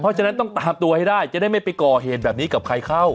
เพราะฉะนั้นต้องตามตัวให้ได้จะได้ไม่ไปก่อเหตุแบบนี้กับใครเข้า